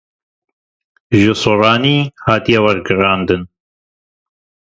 Ji soranî hatiye wergerandin.